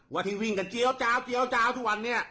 ว่าที่วิ่งกันเจี๊ยวเจ้าทุกวันนี้